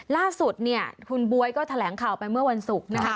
ล่าสุดเนี่ยคุณบ๊วยก็แถลงข่าวไปเมื่อวันศุกร์นะคะ